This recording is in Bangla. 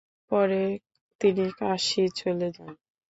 পরে তিনি কাশী চলে যান।